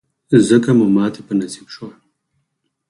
ځکه مو ماتې په نصیب شوه.